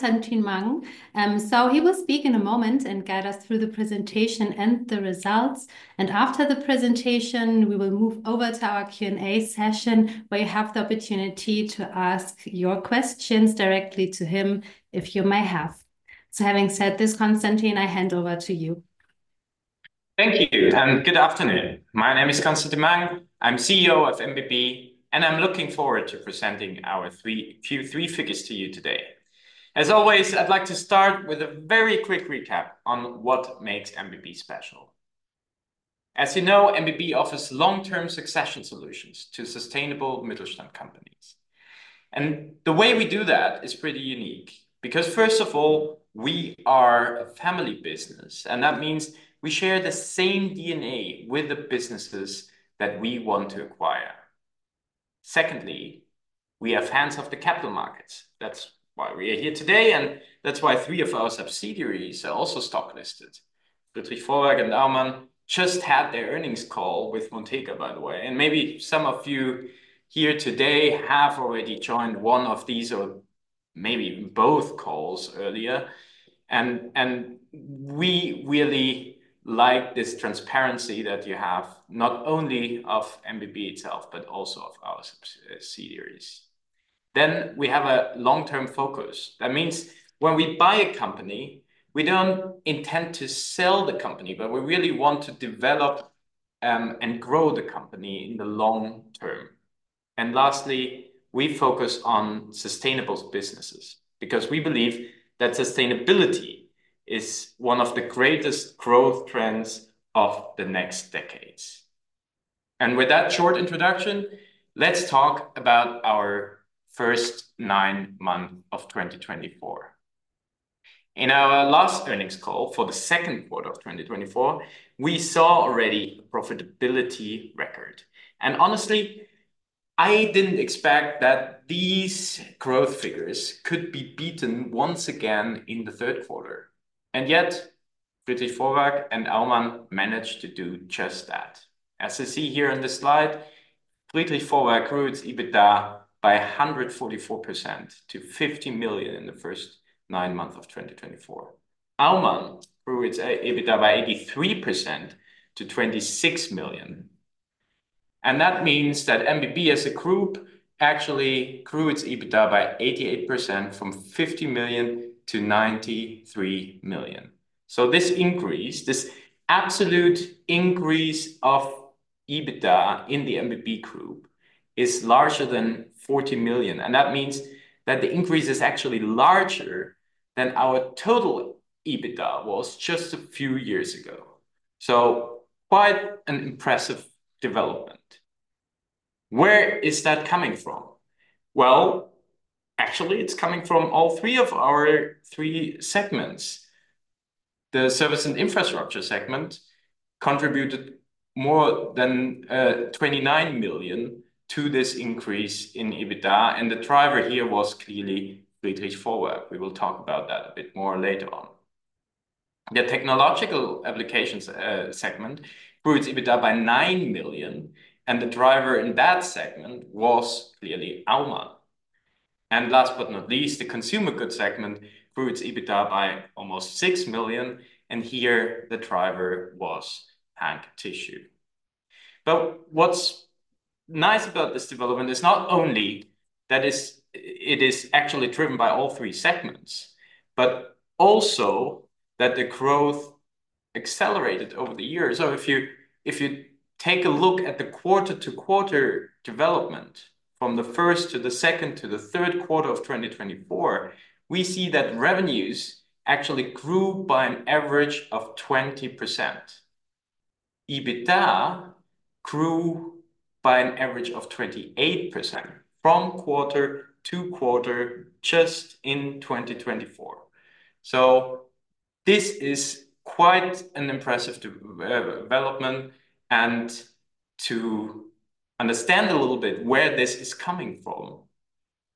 Constantin Mang. So he will speak in a moment and guide us through the presentation and the results. And after the presentation, we will move over to our Q&A session where you have the opportunity to ask your questions directly to him if you may have. So having said this, Constantin, I hand over to you. Thank you and good afternoon. My name is Constantin Mang. I'm CEO of MBB, and I'm looking forward to presenting our Q3 figures to you today. As always, I'd like to start with a very quick recap on what makes MBB special. As you know, MBB offers long-term succession solutions to sustainable Mittelstand companies, and the way we do that is pretty unique because, first of all, we are a family business, and that means we share the same DNA with the businesses that we want to acquire. Secondly, we are fans of the capital markets. That's why we are here today, and that's why three of our subsidiaries are also stock listed. Friedrich Vorwerk und Aumann just had their earnings call with Montega, by the way, and maybe some of you here today have already joined one of these or maybe both calls earlier. We really like this transparency that you have, not only of MBB itself, but also of our subsidiaries. We have a long-term focus. That means when we buy a company, we don't intend to sell the company, but we really want to develop and grow the company in the long term. Lastly, we focus on sustainable businesses because we believe that sustainability is one of the greatest growth trends of the next decades. With that short introduction, let's talk about our first nine months of 2024. In our last earnings call for the second quarter of 2024, we saw already a profitability record. Honestly, I didn't expect that these growth figures could be beaten once again in the third quarter. Yet, Friedrich Vorwerk and Aumann managed to do just that. As you see here on the slide, Friedrich Vorwerk grew its EBITDA by 144% to 50 million in the first nine months of 2024. Aumann grew its EBITDA by 83% to 26 million. And that means that MBB as a group actually grew its EBITDA by 88% from 50 million to 93 million. So this increase, this absolute increase of EBITDA in the MBB group is larger than 40 million. And that means that the increase is actually larger than our total EBITDA was just a few years ago. So quite an impressive development. Where is that coming from? Well, actually, it's coming from all three of our three segments. The service and infrastructure segment contributed more than 29 million to this increase in EBITDA. And the driver here was clearly Friedrich Vorwerk. We will talk about that a bit more later on. The technological applications segment grew its EBITDA by €9 million. And the driver in that segment was clearly Aumann. And last but not least, the consumer goods segment grew its EBITDA by almost €6 million. And here the driver was Hanke Tissue. But what's nice about this development is not only that it is actually driven by all three segments, but also that the growth accelerated over the years. So if you take a look at the quarter-to-quarter development from the first to the second to the third quarter of 2024, we see that revenues actually grew by an average of 20%. EBITDA grew by an average of 28% from quarter-to-quarter just in 2024. So this is quite an impressive development. And to understand a little bit where this is coming from,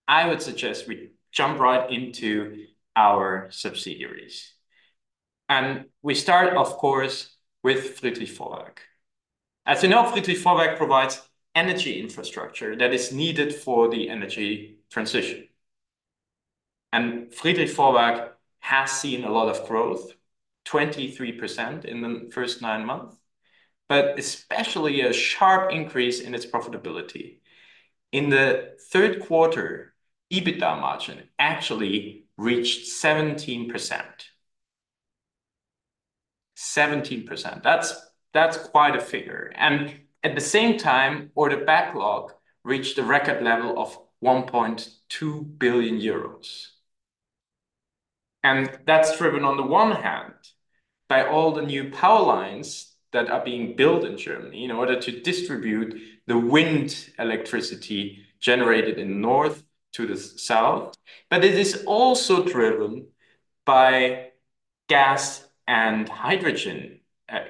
I would suggest we jump right into our subsidiaries. We start, of course, with Friedrich Vorwerk. As you know, Friedrich Vorwerk provides energy infrastructure that is needed for the energy transition. Friedrich Vorwerk has seen a lot of growth, 23% in the first nine months, but especially a sharp increase in its profitability. In the third quarter, EBITDA margin actually reached 17%. 17%. That's quite a figure. At the same time, order backlog reached a record level of 1.2 billion euros. That's driven on the one hand by all the new power lines that are being built in Germany in order to distribute the wind electricity generated in the north to the south. But it is also driven by gas and hydrogen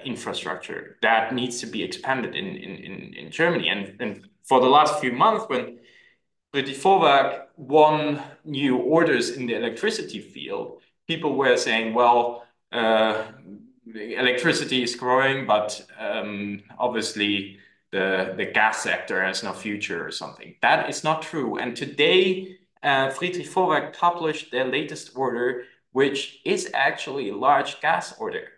infrastructure that needs to be expanded in Germany. For the last few months, when Friedrich Vorwerk won new orders in the electricity field, people were saying, well, electricity is growing, but obviously the gas sector has no future or something. That is not true. Today, Friedrich Vorwerk published their latest order, which is actually a large gas order.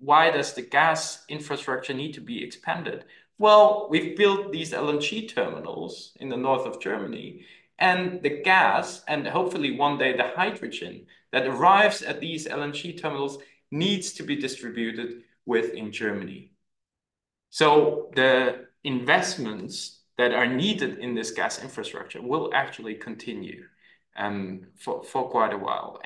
Why does the gas infrastructure need to be expanded? We've built these LNG terminals in the north of Germany, and the gas, and hopefully one day the hydrogen that arrives at these LNG terminals needs to be distributed within Germany. The investments that are needed in this gas infrastructure will actually continue for quite a while.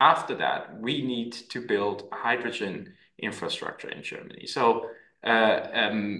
After that, we need to build hydrogen infrastructure in Germany.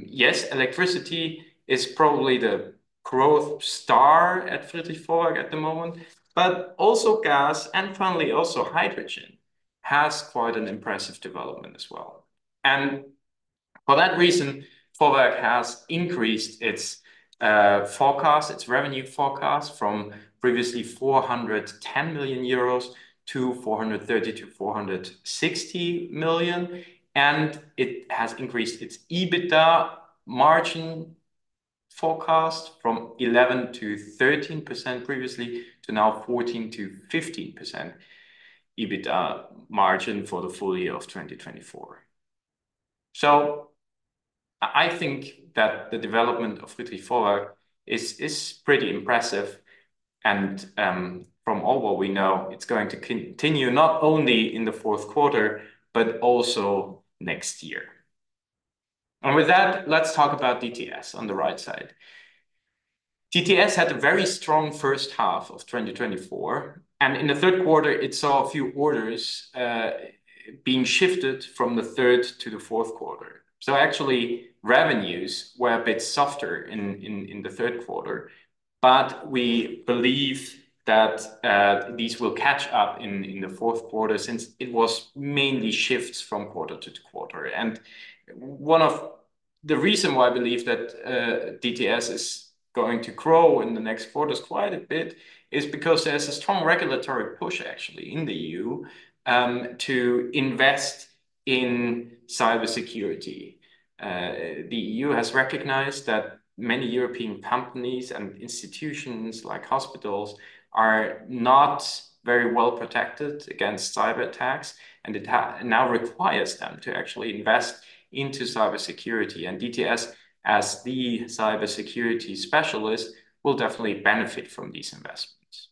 Yes, electricity is probably the growth star at Friedrich Vorwerk at the moment, but also gas and finally also hydrogen has quite an impressive development as well. For that reason, Vorwerk has increased its forecast, its revenue forecast from previously 410 million euros to 430-460 million. It has increased its EBITDA margin forecast from 11%-13% previously to now 14%-15% EBITDA margin for the full year of 2024. I think that the development of Friedrich Vorwerk is pretty impressive. From all what we know, it's going to continue not only in the fourth quarter, but also next year. With that, let's talk about DTS on the right side. DTS had a very strong first half of 2024. In the third quarter, it saw a few orders being shifted from the third to the fourth quarter. So actually, revenues were a bit softer in the third quarter, but we believe that these will catch up in the fourth quarter since it was mainly shifts from quarter-to-quarter. And one of the reasons why I believe that DTS is going to grow in the next quarters quite a bit is because there's a strong regulatory push actually in the EU to invest in cybersecurity. The EU has recognized that many European companies and institutions like hospitals are not very well protected against cyberattacks, and it now requires them to actually invest into cybersecurity. And DTS, as the cybersecurity specialist, will definitely benefit from these investments.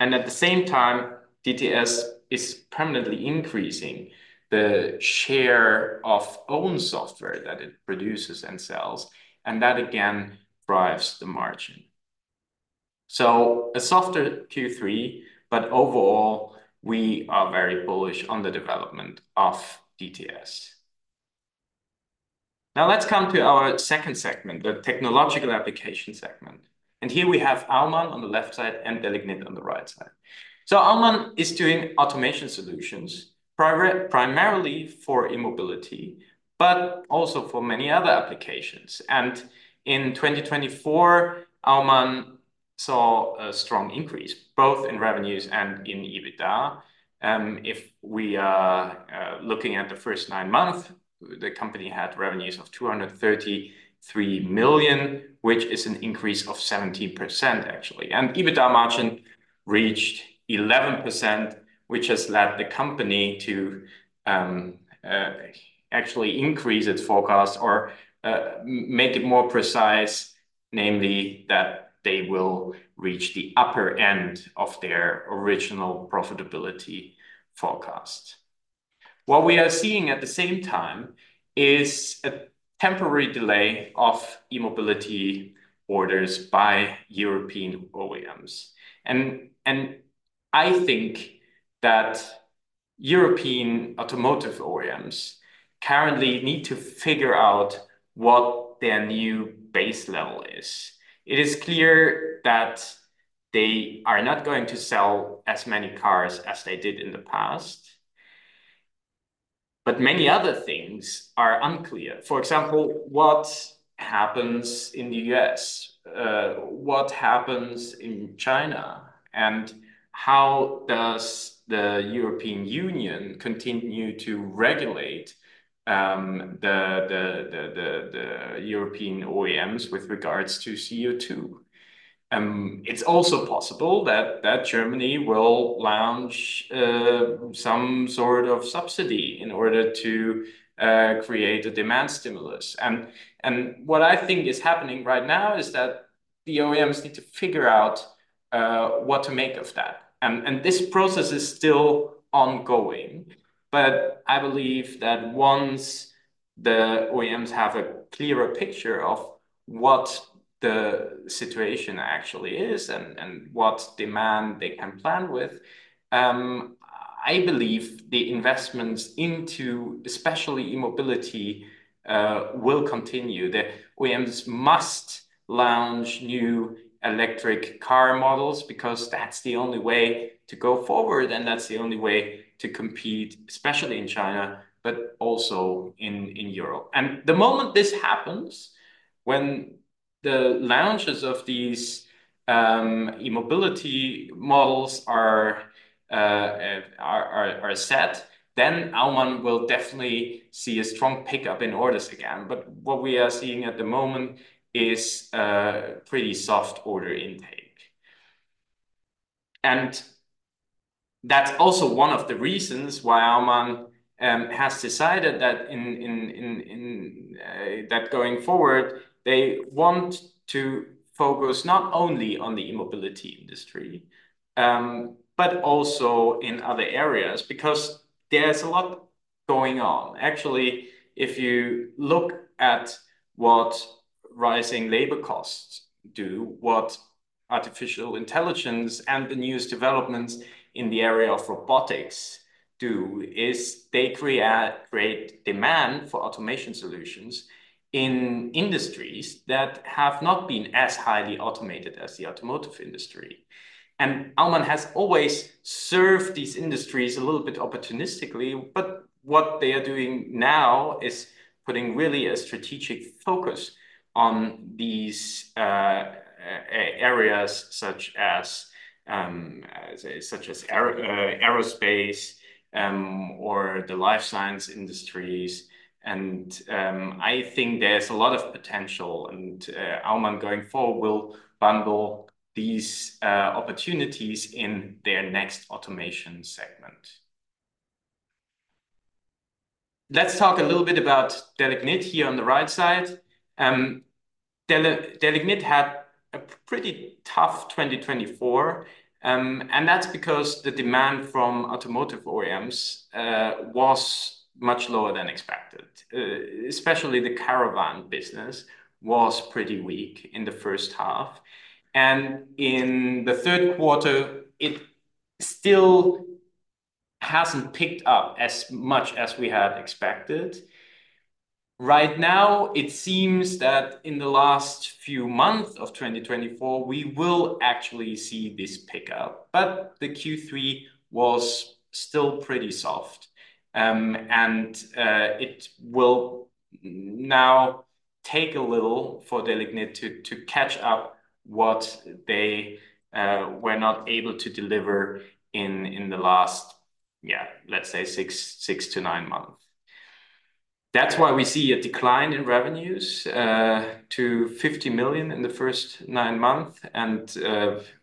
And at the same time, DTS is permanently increasing the share of own software that it produces and sells, and that again drives the margin. So a softer Q3, but overall, we are very bullish on the development of DTS. Now let's come to our second segment, the technological application segment. And here we have Aumann on the left side and Delignit on the right side. So Aumann is doing automation solutions primarily for e-mobility, but also for many other applications. And in 2024, Aumann saw a strong increase both in revenues and in EBITDA. If we are looking at the first nine months, the company had revenues of 233 million, which is an increase of 17% actually. And EBITDA margin reached 11%, which has led the company to actually increase its forecast or make it more precise, namely that they will reach the upper end of their original profitability forecast. What we are seeing at the same time is a temporary delay of e-mobility orders by European OEMs. And I think that European automotive OEMs currently need to figure out what their new base level is. It is clear that they are not going to sell as many cars as they did in the past, but many other things are unclear. For example, what happens in the U.S.? What happens in China? And how does the European Union continue to regulate the European OEMs with regards to CO2? It's also possible that Germany will launch some sort of subsidy in order to create a demand stimulus. And what I think is happening right now is that the OEMs need to figure out what to make of that. And this process is still ongoing, but I believe that once the OEMs have a clearer picture of what the situation actually is and what demand they can plan with, I believe the investments into especially e-mobility will continue. The OEMs must launch new electric car models because that's the only way to go forward, and that's the only way to compete, especially in China, but also in Europe. And the moment this happens, when the launches of these e-mobility models are set, then Aumann will definitely see a strong pickup in orders again. But what we are seeing at the moment is a pretty soft order intake. And that's also one of the reasons why Aumann has decided that going forward, they want to focus not only on the e-mobility industry, but also in other areas because there's a lot going on. Actually, if you look at what rising labor costs do, what artificial intelligence and the newest developments in the area of robotics do, is they create great demand for automation solutions in industries that have not been as highly automated as the automotive industry. And Aumann has always served these industries a little bit opportunistically, but what they are doing now is putting really a strategic focus on these areas such as aerospace or the life science industries. And I think there's a lot of potential, and Aumann going forward will bundle these opportunities in their Next Automation segment. Let's talk a little bit about Delignit here on the right side. Delignit had a pretty tough 2024, and that's because the demand from automotive OEMs was much lower than expected. Especially the caravan business was pretty weak in the first half. And in the third quarter, it still hasn't picked up as much as we had expected. Right now, it seems that in the last few months of 2024, we will actually see this pickup, but the Q3 was still pretty soft. It will now take a little for Delignit to catch up what they were not able to deliver in the last, yeah, let's say six to nine months. That's why we see a decline in revenues to €50 million in the first nine months, and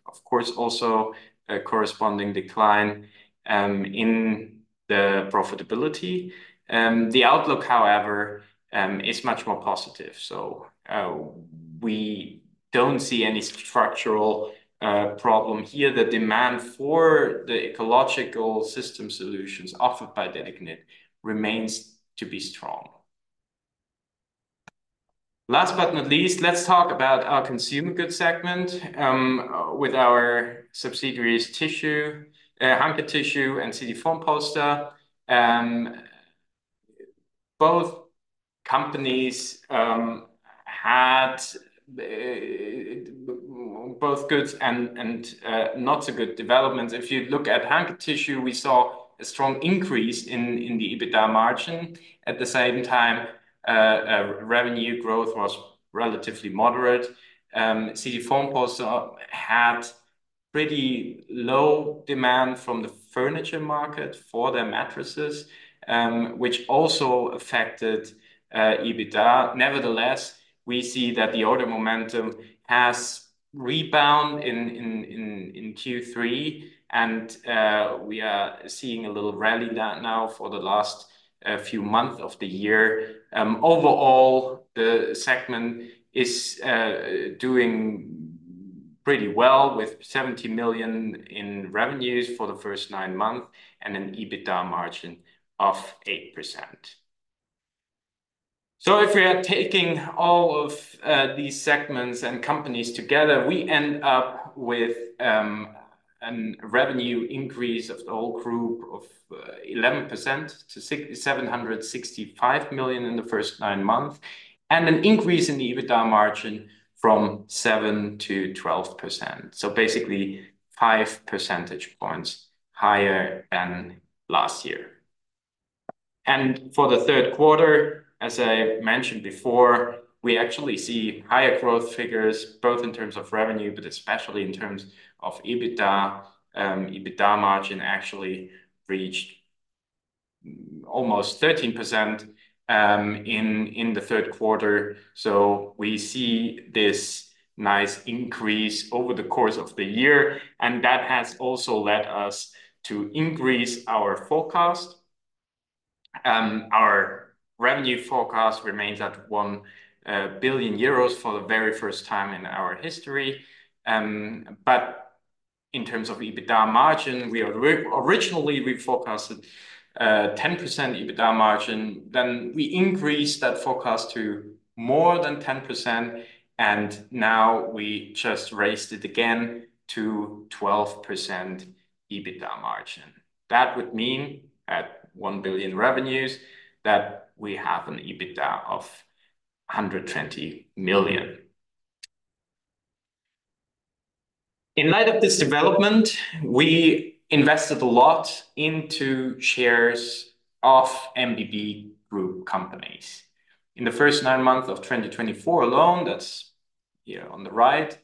of course also a corresponding decline in the profitability. The outlook, however, is much more positive. We don't see any structural problem here. The demand for the ecological system solutions offered by Delignit remains to be strong. Last but not least, let's talk about our consumer goods segment with our subsidiaries, Hanke Tissue and CT Formpolster. Both companies had both good and not so good developments. If you look at Hanke Tissue, we saw a strong increase in the EBITDA margin. At the same time, revenue growth was relatively moderate. CT Formpolster had pretty low demand from the furniture market for their mattresses, which also affected EBITDA. Nevertheless, we see that the order momentum has rebounded in Q3, and we are seeing a little rally now for the last few months of the year. Overall, the segment is doing pretty well with 70 million in revenues for the first nine months and an EBITDA margin of 8%. So if we are taking all of these segments and companies together, we end up with a revenue increase of the whole group of 11% to 765 million in the first nine months and an increase in the EBITDA margin from 7%-12%. So basically five percentage points higher than last year. And for the third quarter, as I mentioned before, we actually see higher growth figures both in terms of revenue, but especially in terms of EBITDA. EBITDA margin actually reached almost 13% in the third quarter, so we see this nice increase over the course of the year, and that has also led us to increase our forecast. Our revenue forecast remains at €1 billion for the very first time in our history, but in terms of EBITDA margin, we originally forecasted a 10% EBITDA margin, then we increased that forecast to more than 10%, and now we just raised it again to 12% EBITDA margin. That would mean at €1 billion revenues that we have an EBITDA of €120 million. In light of this development, we invested a lot into shares of MBB Group companies. In the first nine months of 2024 alone, that's here on the right,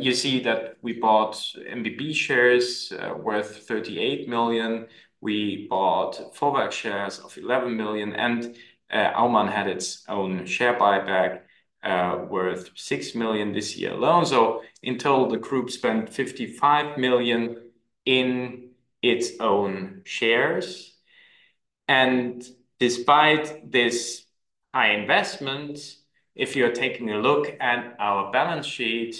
you see that we bought MBB shares worth €38 million. We bought Vorwerk shares of 11 million, and Aumann had its own share buyback worth 6 million this year alone. So in total, the group spent 55 million in its own shares. And despite this high investment, if you're taking a look at our balance sheet,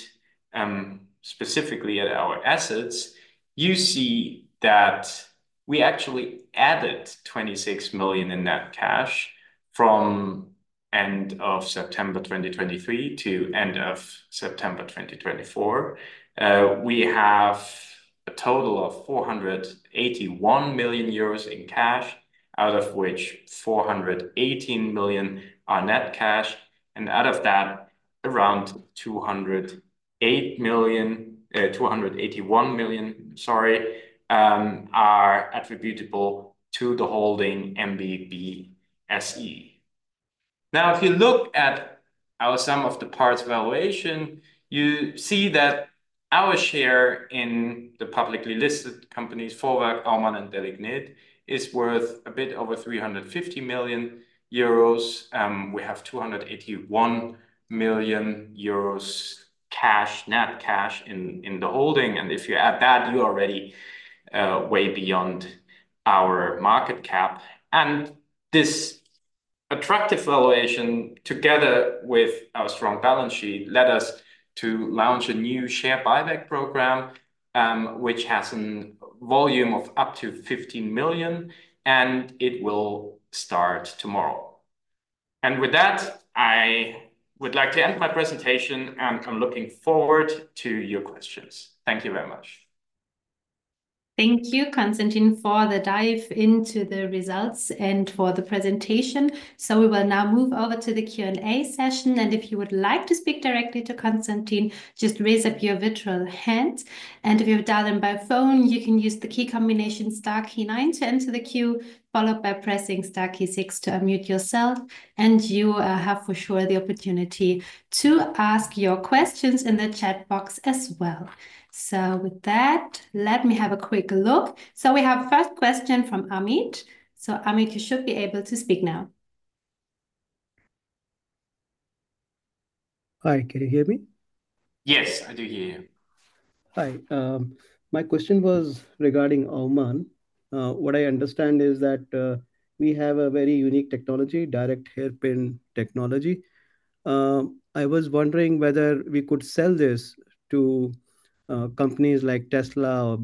specifically at our assets, you see that we actually added 26 million in net cash from the end of September 2023 to the end of September 2024. We have a total of 481 million euros in cash, out of which 418 million are net cash. And out of that, around 281 million, sorry, are attributable to the holding MBB SE. Now, if you look at our sum-of-the-parts valuation, you see that our share in the publicly listed companies Vorwerk, Aumann, and Delignit is worth a bit over 350 million euros. We have 281 million euros cash, net cash in the holding. And if you add that, you're already way beyond our market cap. And this attractive valuation, together with our strong balance sheet, led us to launch a new share buyback program, which has a volume of up to €15 million, and it will start tomorrow. And with that, I would like to end my presentation, and I'm looking forward to your questions. Thank you very much. Thank you, Constantin, for the dive into the results and for the presentation. So we will now move over to the Q&A session. And if you would like to speak directly to Constantin, just raise up your virtual hand. And if you've dialed in by phone, you can use the key combination star 9 to enter the queue, followed by pressing star 6 to unmute yourself. And you have for sure the opportunity to ask your questions in the chat box as well. With that, let me have a quick look. We have the first question from [Amit]. [Amit], you should be able to speak now. Hi, can you hear me? Yes, I do hear you. Hi. My question was regarding Aumann. What I understand is that we have a very unique technology, direct hairpin technology. I was wondering whether we could sell this to companies like Tesla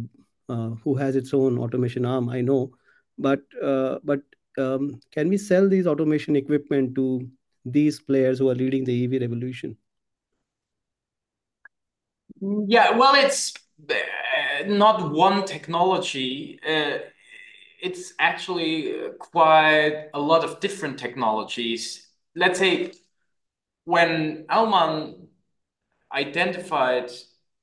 or who has its own automation arm, I know. But can we sell this automation equipment to these players who are leading the EV revolution? Yeah, well, it's not one technology. It's actually quite a lot of different technologies. Let's say when Aumann identified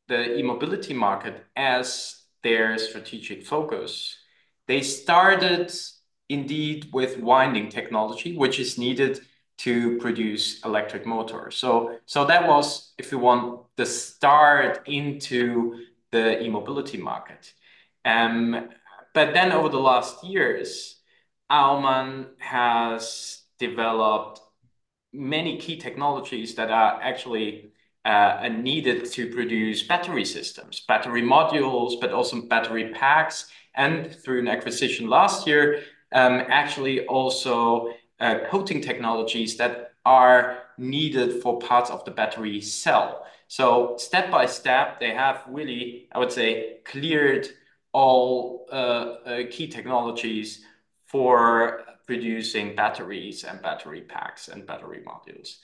the e-mobility market as their strategic focus, they started indeed with winding technology, which is needed to produce electric motors. That was, if you want, the start into the e-mobility market. But then over the last years, Aumann has developed many key technologies that are actually needed to produce battery systems, battery modules, but also battery packs. And through an acquisition last year, actually also coating technologies that are needed for parts of the battery cell. So step by step, they have really, I would say, cleared all key technologies for producing batteries and battery packs and battery modules.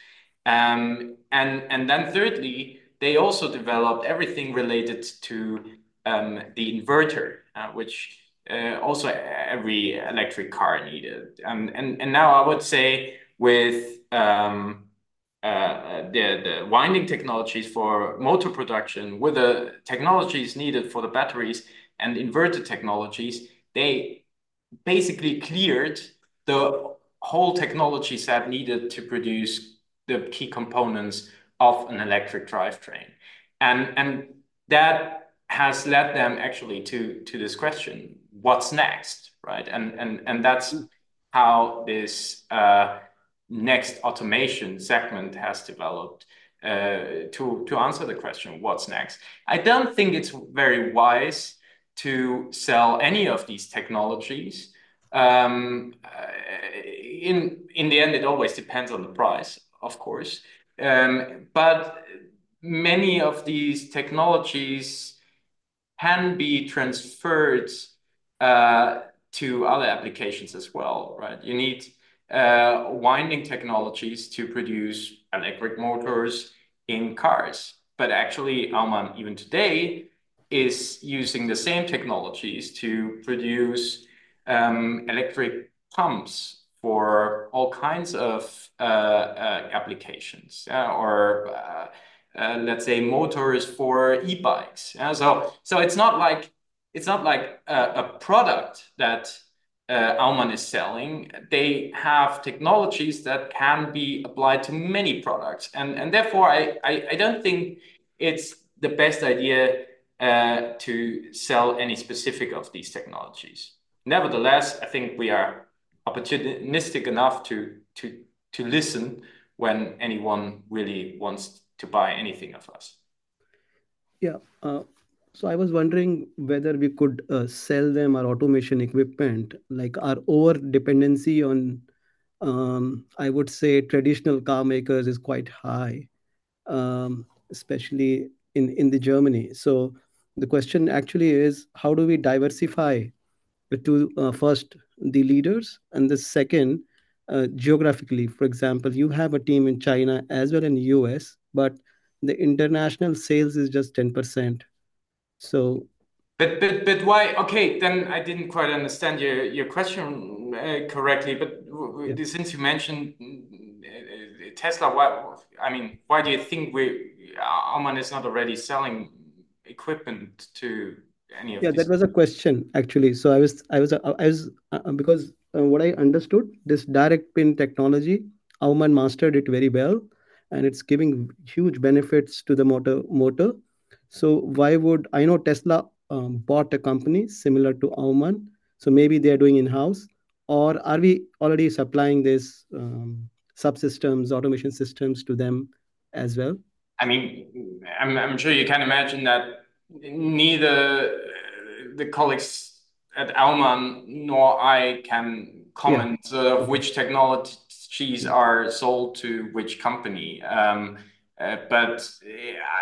And then thirdly, they also developed everything related to the inverter, which also every electric car needed. And now I would say with the winding technologies for motor production, with the technologies needed for the batteries and inverter technologies, they basically cleared the whole technology set needed to produce the key components of an electric drivetrain. And that has led them actually to this question, what's next? And that's how this next automation segment has developed to answer the question, what's next? I don't think it's very wise to sell any of these technologies. In the end, it always depends on the price, of course. But many of these technologies can be transferred to other applications as well. You need winding technologies to produce electric motors in cars. But actually, Aumann even today is using the same technologies to produce electric pumps for all kinds of applications or, let's say, motors for e-bikes. So it's not like a product that Aumann is selling. They have technologies that can be applied to many products. And therefore, I don't think it's the best idea to sell any specific of these technologies. Nevertheless, I think we are opportunistic enough to listen when anyone really wants to buy anything of us. Yeah. So I was wondering whether we could sell them our automation equipment. Our over-dependency on, I would say, traditional car makers is quite high, especially in Germany. So the question actually is, how do we diversify? First, the leaders, and the second, geographically. For example, you have a team in China as well as in the U.S., but the international sales is just 10%. So. But why? Okay, then I didn't quite understand your question correctly. But since you mentioned Tesla, I mean, why do you think Aumann is not already selling equipment to any of these? Yeah, that was a question, actually. So I was, because what I understood, this direct hairpin technology, Aumann mastered it very well, and it's giving huge benefits to the motor. So why would I know Tesla bought a company similar to Aumann? So maybe they are doing in-house, or are we already supplying these subsystems, automation systems to them as well? I mean, I'm sure you can imagine that neither the colleagues at Aumann nor I can comment on which technologies are sold to which company. But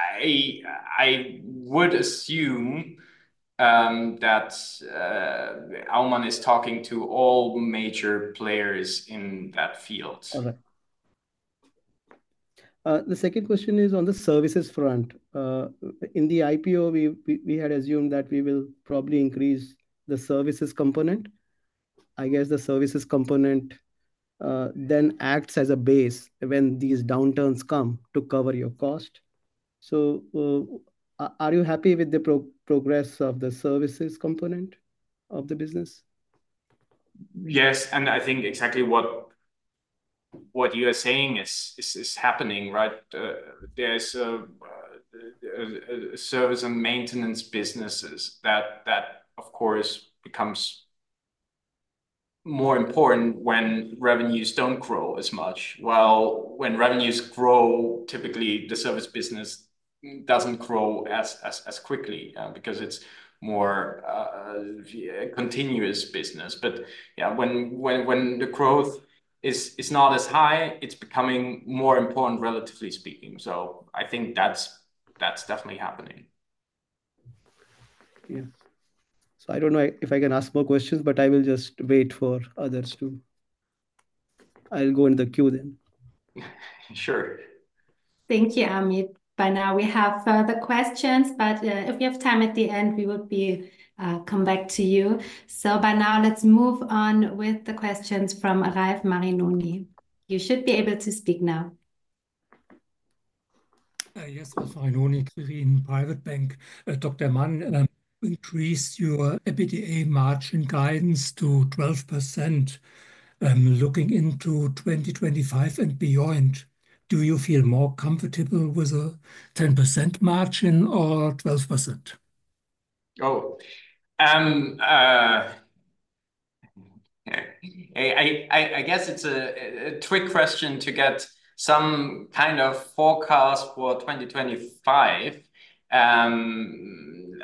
I would assume that Aumann is talking to all major players in that field. The second question is on the services front. In the IPO, we had assumed that we will probably increase the services component. I guess the services component then acts as a base when these downturns come to cover your cost. So are you happy with the progress of the services component of the business? Yes. And I think exactly what you are saying is happening, right? There's a service and maintenance businesses that, of course, becomes more important when revenues don't grow as much. Well, when revenues grow, typically the service business doesn't grow as quickly because it's more continuous business. But when the growth is not as high, it's becoming more important, relatively speaking. So I think that's definitely happening. Yes. So I don't know if I can ask more questions, but I will just wait for others to. I'll go in the queue then. Sure. Thank you, [Amit]. By now, we have further questions, but if we have time at the end, we will come back to you. So by now, let's move on with the questions from Ralf Marinoni. You should be able to speak now. Yes, Ralf Marinoni, Quirin Privatbank, Dr. Mang. Increase your EBITDA margin guidance to 12% looking into 2025 and beyond. Do you feel more comfortable with a 10% margin or 12%? Oh. I guess it's a trick question to get some kind of forecast for 2025.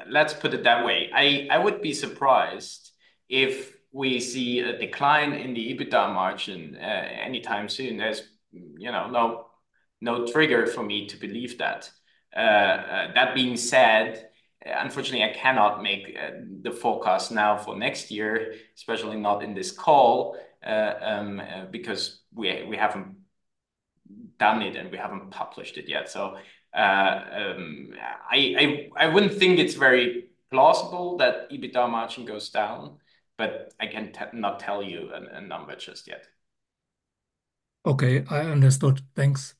Let's put it that way. I would be surprised if we see a decline in the EBITDA margin anytime soon. There's no trigger for me to believe that. That being said, unfortunately, I cannot make the forecast now for next year, especially not in this call, because we haven't done it and we haven't published it yet. So I wouldn't think it's very plausible that EBITDA margin goes down, but I can not tell you a number just yet. Okay, I understood. Thanks.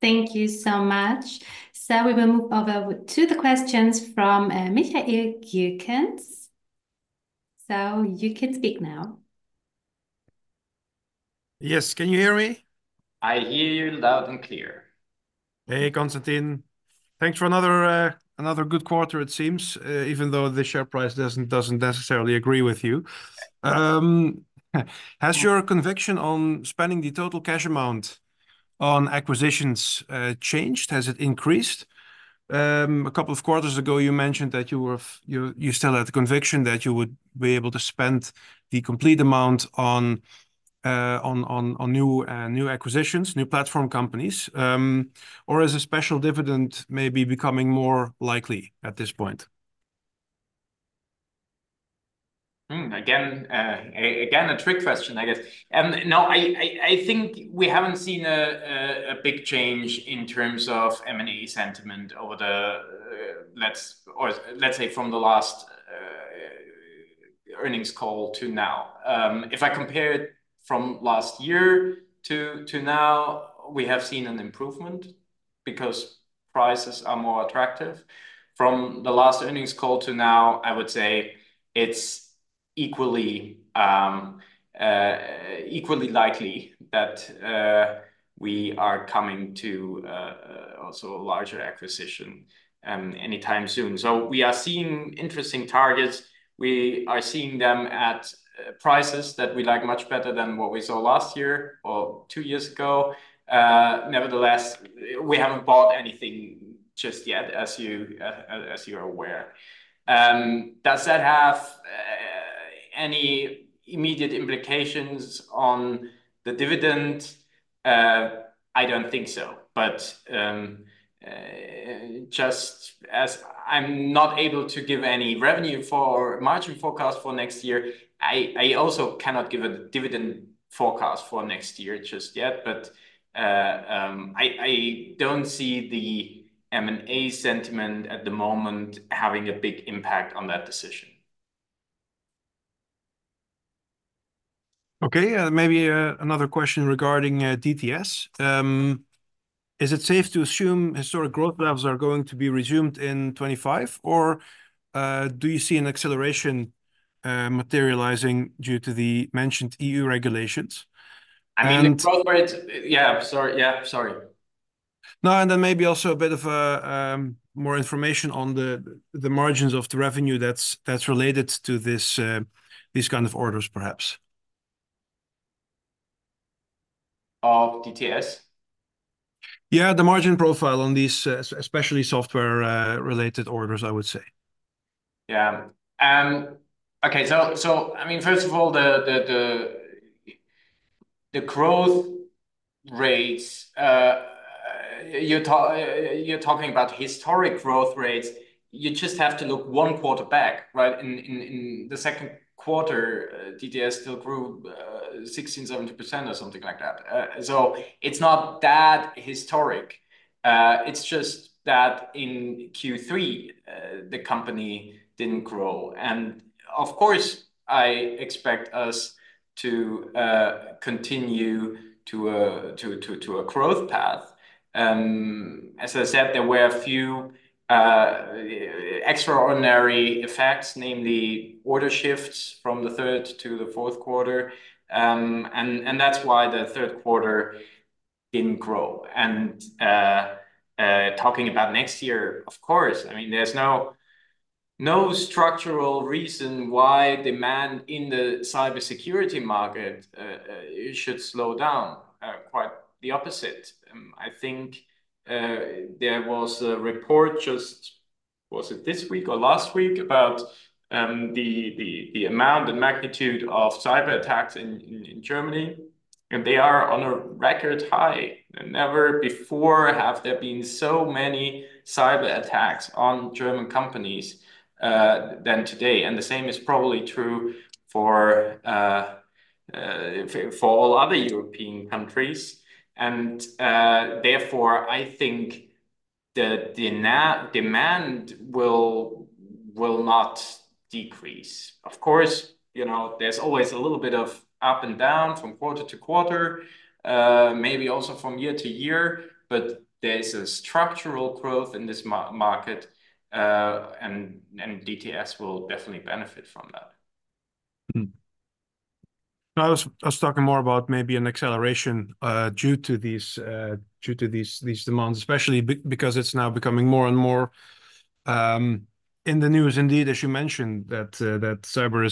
Thank you so much. So we will move over to the questions from Michael Görgens. So you can speak now. Yes, can you hear me? I hear you loud and clear. Hey, Constantin. Thanks for another good quarter, it seems, even though the share price doesn't necessarily agree with you. Has your conviction on spending the total cash amount on acquisitions changed? Has it increased? A couple of quarters ago, you mentioned that you still had the conviction that you would be able to spend the complete amount on new acquisitions, new platform companies, or is a special dividend maybe becoming more likely at this point? Again, a trick question, I guess. No, I think we haven't seen a big change in terms of M&A sentiment over the, let's say, from the last earnings call to now. If I compare it from last year to now, we have seen an improvement because prices are more attractive. From the last earnings call to now, I would say it's equally likely that we are coming to also a larger acquisition anytime soon. So we are seeing interesting targets. We are seeing them at prices that we like much better than what we saw last year or two years ago. Nevertheless, we haven't bought anything just yet, as you are aware. Does that have any immediate implications on the dividend? I don't think so. But just as I'm not able to give any revenue or margin forecast for next year, I also cannot give a dividend forecast for next year just yet. But I don't see the M&A sentiment at the moment having a big impact on that decision. Okay, maybe another question regarding DTS. Is it safe to assume historic growth levels are going to be resumed in 2025, or do you see an acceleration materializing due to the mentioned EU regulations? I mean, corporate, yeah, sorry, yeah, sorry. No, and then maybe also a bit more information on the margins of the revenue that's related to these kind of orders, perhaps. Of DTS? Yeah, the margin profile on these especially software-related orders, I would say. Yeah. Okay, so I mean, first of all, the growth rates, you're talking about historic growth rates. You just have to look one quarter back, right? In the second quarter, DTS still grew 16%-17% or something like that. So it's not that historic. It's just that in Q3, the company didn't grow. And of course, I expect us to continue to a growth path. As I said, there were a few extraordinary effects, namely order shifts from the third to the fourth quarter. And that's why the third quarter didn't grow. And talking about next year, of course, I mean, there's no structural reason why demand in the cybersecurity market should slow down. Quite the opposite. I think there was a report just, was it this week or last week, about the amount and magnitude of cyber attacks in Germany. And they are on a record high. Never before have there been so many cyber attacks on German companies than today, and the same is probably true for all other European countries, and therefore, I think the demand will not decrease. Of course, there's always a little bit of up and down from quarter-to-quarter, maybe also from year to year, but there's a structural growth in this market, and DTS will definitely benefit from that. I was talking more about maybe an acceleration due to these demands, especially because it's now becoming more and more in the news, indeed, as you mentioned, that cyber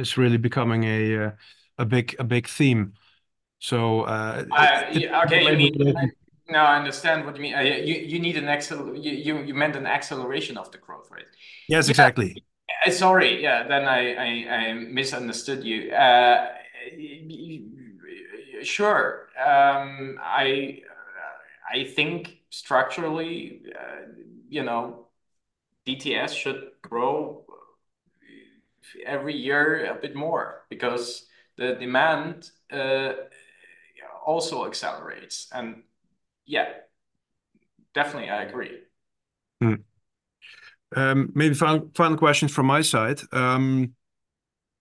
is really becoming a big theme. So okay Let me. No, I understand what you mean. You need an, you meant an acceleration of the growth, right? Yes, exactly. Sorry, yeah, then I misunderstood you. Sure. I think structurally, DTS should grow every year a bit more because the demand also accelerates. And yeah, definitely, I agree. Maybe final question from my side.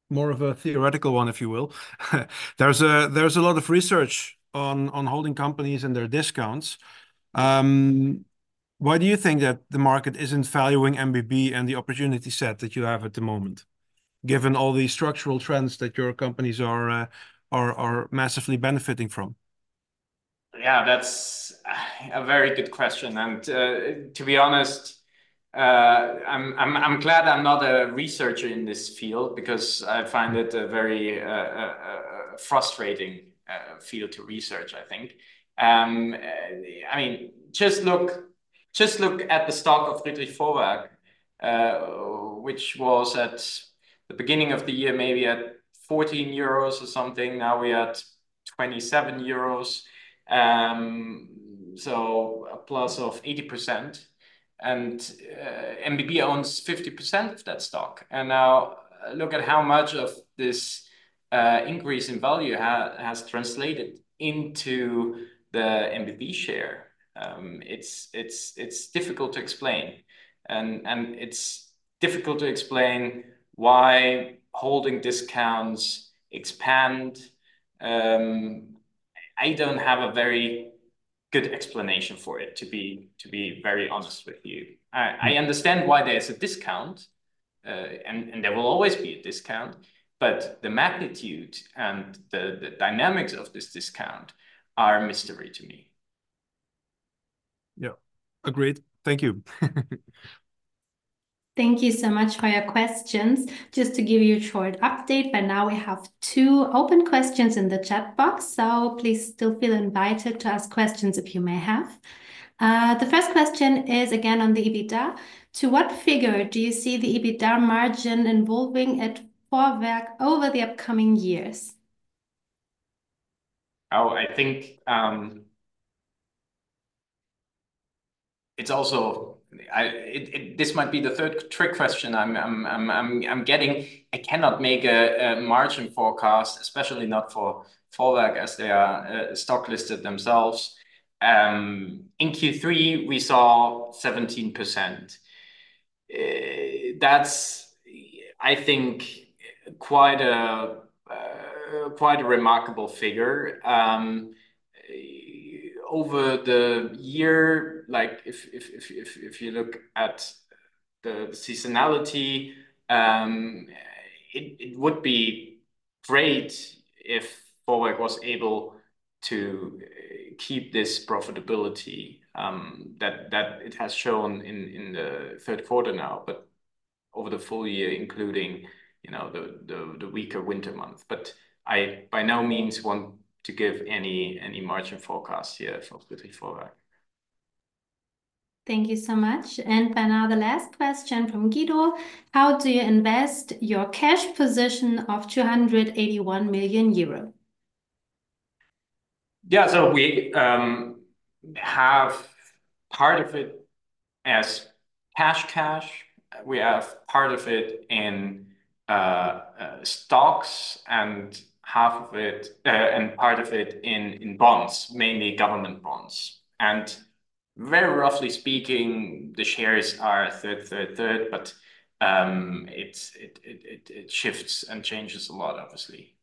More of a theoretical one, if you will. There's a lot of research on holding companies and their discounts. Why do you think that the market isn't valuing MBB and the opportunity set that you have at the moment, given all the structural trends that your companies are massively benefiting from? Yeah, that's a very good question. And to be honest, I'm glad I'm not a researcher in this field because I find it a very frustrating field to research, I think. I mean, just look at the stock of Friedrich Vorwerk, which was at the beginning of the year maybe at 14 euros or something. Now we're at 27 euros. So a plus of 80%. And MBB owns 50% of that stock. Now look at how much of this increase in value has translated into the MBB share. It's difficult to explain. It's difficult to explain why holding discounts expand. I don't have a very good explanation for it, to be very honest with you. I understand why there's a discount, and there will always be a discount, but the magnitude and the dynamics of this discount are a mystery to me. Yeah, agreed. Thank you. Thank you so much for your questions. Just to give you a short update, by now we have two open questions in the chat box. So please still feel invited to ask questions if you may have. The first question is again on the EBITDA. To what figure do you see the EBITDA margin evolving at Vorwerk over the upcoming years? Oh, I think it's also, this might be the third trick question I'm getting. I cannot make a margin forecast, especially not for Vorwerk as they are stock listed themselves. In Q3, we saw 17%. That's, I think, quite a remarkable figure. Over the year, if you look at the seasonality, it would be great if Vorwerk was able to keep this profitability that it has shown in the third quarter now, but over the full year, including the weaker winter months, but I by no means want to give any margin forecast here for Friedrich Vorwerk. Thank you so much, and by now, the last question from Guido. How do you invest your cash position of 281 million euro? Yeah, so we have part of it as cash. We have part of it in stocks and half of it and part of it in bonds, mainly government bonds. And very roughly speaking, the shares are third, third, third, but it shifts and changes a lot, obviously.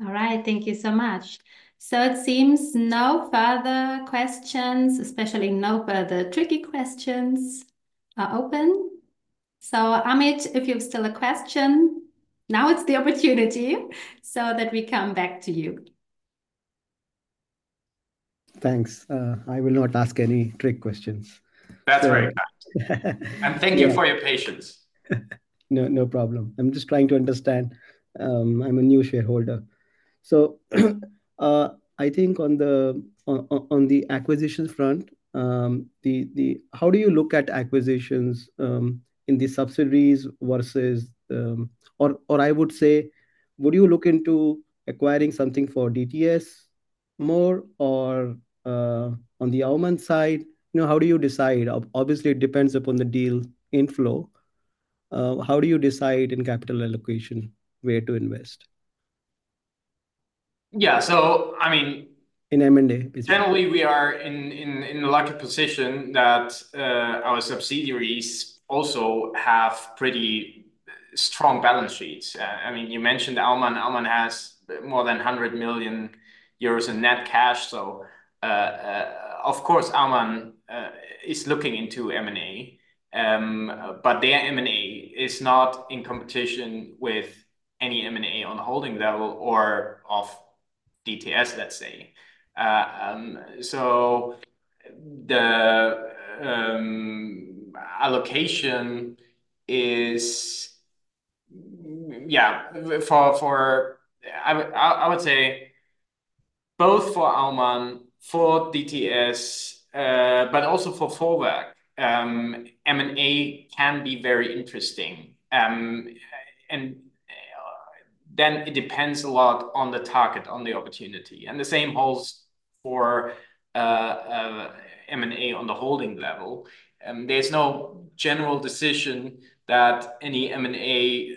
All right, thank you so much. So it seems no further questions, especially no further tricky questions are open. So [Amit,] if you have still a question, now it's the opportunity so that we come back to you. Thanks. I will not ask any trick questions. That's very kind. And thank you for your patience. No problem. I'm just trying to understand. I'm a new shareholder. So I think on the acquisition front, how do you look at acquisitions in the subsidiaries versus, or I would say, would you look into acquiring something for DTS more or on the Aumann side? How do you decide? Obviously, it depends upon the deal inflow. How do you decide in capital allocation where to invest? Yeah, so I mean. In M&A. Generally, we are in a lucky position that our subsidiaries also have pretty strong balance sheets. I mean, you mentioned Aumann. Aumann has more than 100 million euros in net cash. So of course, Aumann is looking into M&A, but their M&A is not in competition with any M&A on holding level or of DTS, let's say. So the allocation is, yeah, for, I would say, both for Aumann, for DTS, but also for Vorwerk, M&A can be very interesting. And then it depends a lot on the target, on the opportunity. And the same holds for M&A on the holding level. There's no general decision that any M&A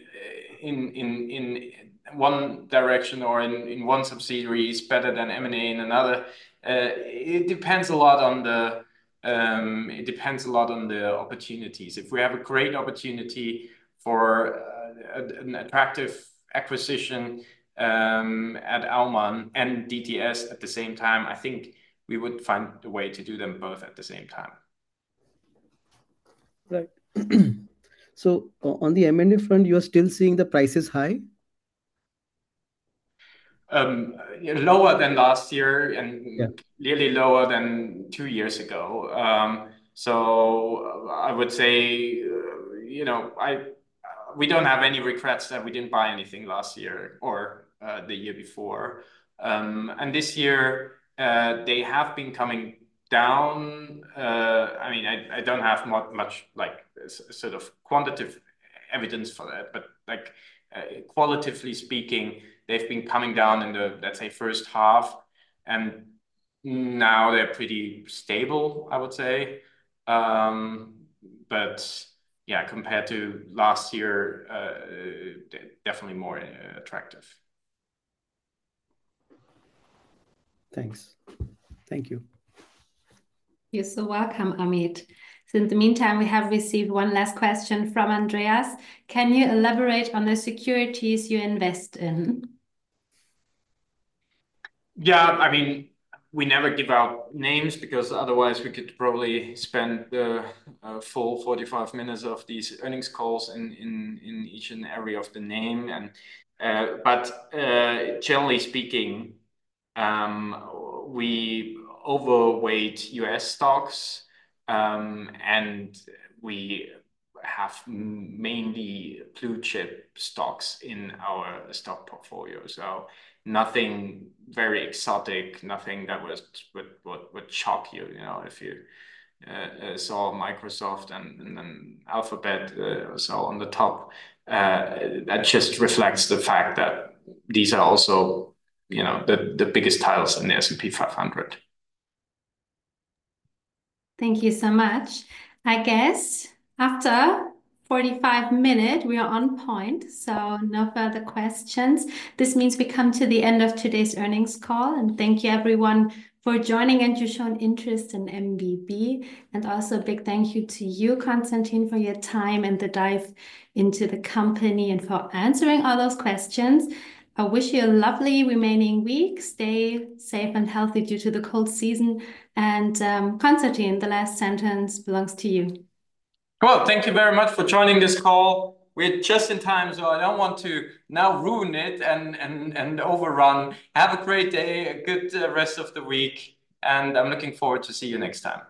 in one direction or in one subsidiary is better than M&A in another. It depends a lot on the, it depends a lot on the opportunities. If we have a great opportunity for an attractive acquisition at Aumann and DTS at the same time, I think we would find a way to do them both at the same time. Right. So on the M&A front, you are still seeing the prices high? Lower than last year and nearly lower than two years ago. So I would say we don't have any regrets that we didn't buy anything last year or the year before. And this year, they have been coming down. I mean, I don't have much sort of quantitative evidence for that, but qualitatively speaking, they've been coming down in the, let's say, first half. And now they're pretty stable, I would say. But yeah, compared to last year, definitely more attractive. Thanks. Thank you. You're so welcome, [Amit]. So in the meantime, we have received one last question from Andreas. Can you elaborate on the securities you invest in? Yeah, I mean, we never give out names because otherwise we could probably spend the full 45 minutes of these earnings calls in each and every of the name. But generally speaking, we overweight U.S. stocks and we have mainly blue chip stocks in our stock portfolio. So nothing very exotic, nothing that would shock you. If you saw Microsoft and then Alphabet or so on the top, that just reflects the fact that these are also the biggest titles in the S&P 500. Thank you so much. I guess after 45 minutes, we are on point. So no further questions. This means we come to the end of today's earnings call and thank you, everyone, for joining and you showed interest in MBB. And also a big thank you to you, Constantin, for your time and the dive into the company and for answering all those questions. I wish you a lovely remaining week. Stay safe and healthy due to the cold season. And Constantin, the last sentence belongs to you. Well, thank you very much for joining this call. We're just in time, so I don't want to now ruin it and overrun. Have a great day, a good rest of the week, and I'm looking forward to see you next time.